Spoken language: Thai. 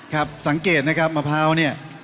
ครับสังเกตนะครับมะพร้าวเนี่ย